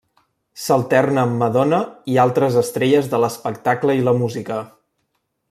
S'alterna amb Madonna i altres estrelles de l'espectacle i la música.